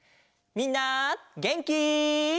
みんなげんき？